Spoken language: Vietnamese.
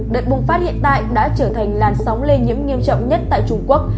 đợt bùng phát hiện tại đã trở thành làn sóng lây nhiễm nghiêm trọng nhất tại trung quốc